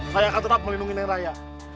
saya akan tetap melindungi nenek raya